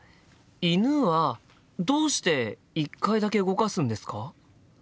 「犬」はどうして１回だけ動かすんですか？